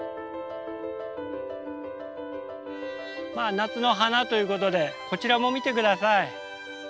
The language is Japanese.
まあ夏の花ということでこちらも見て下さい。